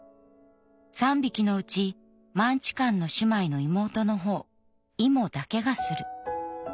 ３匹のうちマンチカンの姉妹の妹のほう『イモ』だけがする。